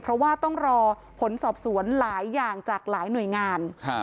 เพราะว่าต้องรอผลสอบสวนหลายอย่างจากหลายหน่วยงาน